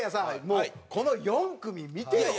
もうこの４組見てよ。